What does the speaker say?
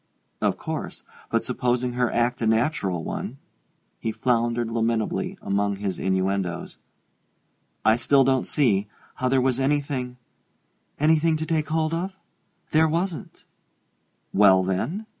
"Of course but supposing her act a natural one " he floundered lamentably among his innuendoes "I still don't see how there was anything " "Anything to take hold of? There wasn't " "Well, then